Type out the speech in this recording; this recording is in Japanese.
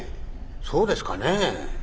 そうですかねぇ？